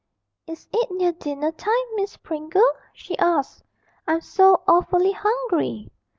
'Is it near dinner time, Miss Pringle?' she asked. 'I'm so awfully hungry!'